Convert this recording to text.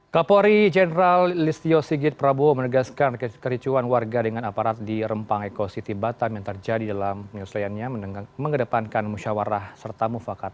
kapolri jenderal listio sigit prabowo menegaskan kericuan warga dengan aparat di rempang eko city batam yang terjadi dalam penyesuaiannya mengedepankan musyawarah serta mufakat